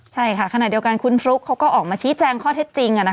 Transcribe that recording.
ใช่ค่ะขณะเดียวกันคุณฟลุ๊กเขาก็ออกมาชี้แจงข้อเท็จจริง